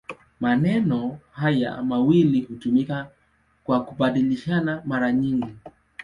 Maneno haya mawili hutumika kwa kubadilishana mara nyingi.